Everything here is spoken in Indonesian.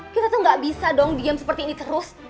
kita tuh gak bisa dong diam seperti ini terus